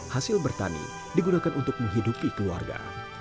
hasil bertani digunakan untuk menghidupi keluarga